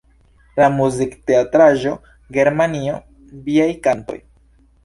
La muzikteatraĵo Germanio, viaj kantoj!